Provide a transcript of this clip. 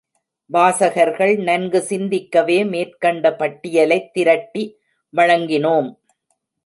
வாசகர்கள் நன்கு சிந்திக்கவே மேற்கண்ட பட்டியலைத் திரட்டி வழங்கினோம்!